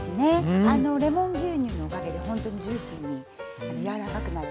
レモン牛乳のおかげでほんとにジューシーに柔らかくなる。